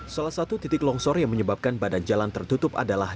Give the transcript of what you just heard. salah satu titik longsor yang menyebabkan badan jalan tertutup adalah